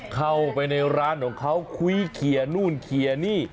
เข้าไปในร้านของเขาคุยเขียนนู่นเขียนนี่